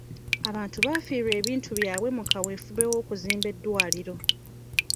Abantu baafiirwa ebintu byabwe mu kaweefube w'okuzimba eddwaliro.